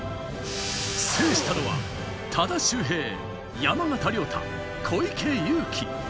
制したのは多田修平、山縣亮太、小池祐貴。